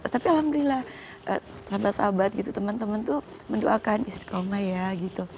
tapi alhamdulillah sahabat sahabat gitu teman teman tuh mendoakan istiqomah ya gitu